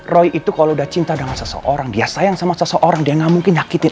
roy itu kalau udah cinta dengan seseorang dia sayang sama seseorang dia gak mungkin nyakitin